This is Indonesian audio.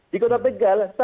di kota tegal saya